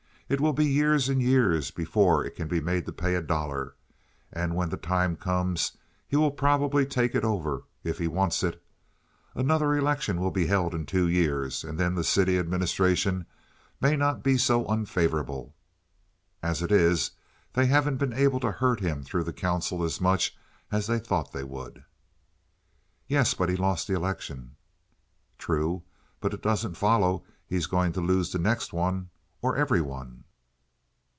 It will be years and years before it can be made to pay a dollar, and when the time comes he will probably take it over if he wants it. Another election will be held in two years, and then the city administration may not be so unfavorable. As it is, they haven't been able to hurt him through the council as much as they thought they would." "Yes; but he lost the election." "True; but it doesn't follow he's going to lose the next one, or every one."